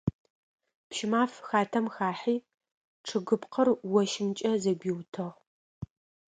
Пщымаф хатэм хахьи чъыгыпкъыр ощымкӀэ зэгуиутыгъ.